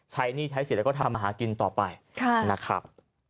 ใช้หนี้ใช้เสียแล้วก็ทำมาหากินต่อไปนะครับ